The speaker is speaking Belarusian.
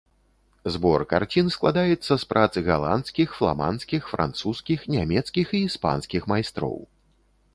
Збор карцін складаецца з прац галандскіх, фламандскіх, французскіх, нямецкіх і іспанскіх майстроў.